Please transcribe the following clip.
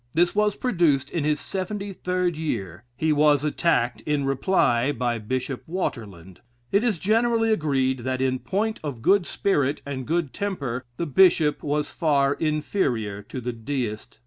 This was produced in his seventy third year. He was attacked in Reply by Bishop Waterland. It is generally agreed that in point of good spirit and good temper the Bishop was far inferior to the Deist.